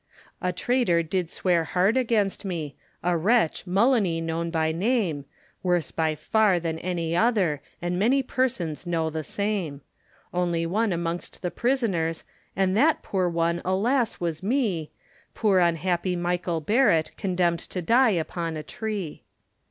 A traitor did swear hard against me, A wretch, Mullany known by name, Worse by far than any other, And many persons know the same; Only one amongst the prisoners, And that poor one, alas! was me, Poor unhappy Michael Barrett, Condemned to die upon a tree.